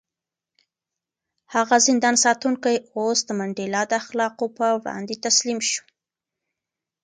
هغه زندان ساتونکی اوس د منډېلا د اخلاقو په وړاندې تسلیم و.